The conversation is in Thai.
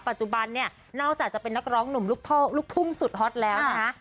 ปัจจุบันเนี่ยนอกจากจะเป็นนักร้องหนุ่มลูกทุ่งสุดฮอตแล้วนะคะ